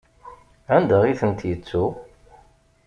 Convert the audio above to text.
Anda i tent-yettu?